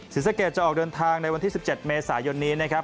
ศรีสะเกดจะออกเดินทางในวันที่๑๗เมษายนนี้นะครับ